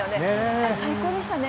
あれ、最高でしたね。